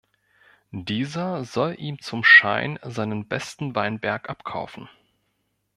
Dieser soll ihm zum Schein seinen besten Weinberg abkaufen.